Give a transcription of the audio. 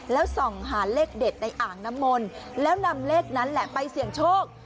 แล้วส่องหาเลขเด็ดในอ่างน้ำมนต์แล้วนำเลขนั้นแหละไปเสี่ยงโชค